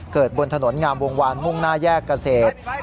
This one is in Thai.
บนถนนงามวงวานมุ่งหน้าแยกเกษตร